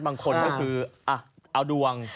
บางคนก็คือเอาดวง